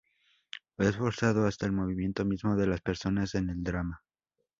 Es forzado, hasta el movimiento mismo de las personas, en el drama.